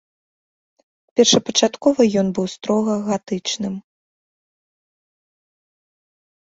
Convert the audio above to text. Першапачаткова ён быў строга гатычным.